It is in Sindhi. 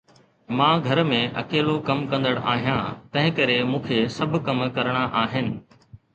مان گهر ۾ اڪيلو ڪم ڪندڙ آهيان، تنهنڪري مون کي سڀ ڪم ڪرڻا آهن.